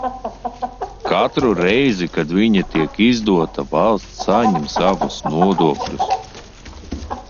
Katru reizi, kad viņa tiek izdota, valsts saņem savus nodokļus.